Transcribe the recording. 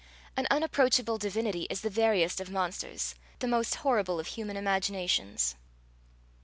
An unapproachable divinity is the veriest of monsters, the most horrible of human imaginations.